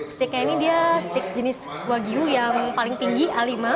stiknya ini dia stik jenis wagyu yang paling tinggi a lima